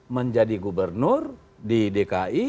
menjadi gubernur di dki